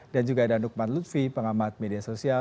dan juga ada nukman lutfi pengamat media sosial